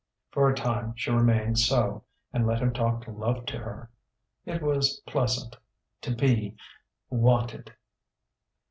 For a time she remained so and let him talk love to her. It was pleasant, to be wanted....